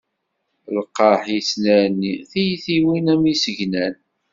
Lqerḥ yettnerni, tiyitiwin am yisegnan.